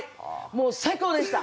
もう最高でした。